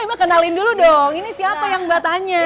cuma kenalin dulu dong ini siapa yang mbak tanya